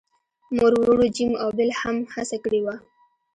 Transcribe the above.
مور وروڼو جیم او بیل هم هڅه کړې وه